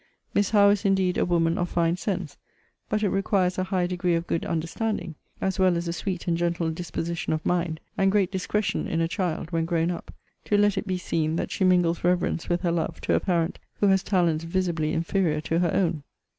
Miss Howe is indeed a woman of fine sense; but it requires a high degree of good understanding, as well as a sweet and gentle disposition of mind, and great discretion, in a child, when grown up, to let it be seen, that she mingles reverence with her love, to a parent, who has talents visibly inferior to her own.